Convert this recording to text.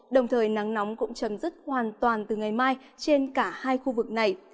đồng thời nắng nóng cũng chấm dứt hoàn toàn từ ngày mai trên cả hai khu vực này